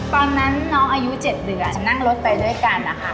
ตอนนั้นน้องอายุ๗เดือนนั่งรถไปด้วยกันนะคะ